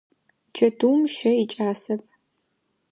Чэтыум щэ икӏасэп.